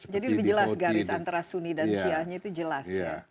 jadi lebih jelas garis antara sunni dan syianya itu jelas